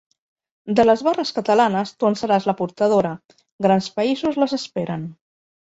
De les barres catalanes tu en seràs la portadora; grans països les esperen.